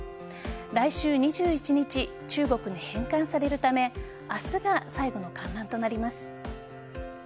来週２１日中国に返還されるため明日が最後の観覧となります。